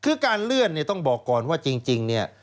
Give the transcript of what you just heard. คือการเลื่อนต้องบอกก่อนว่าจริง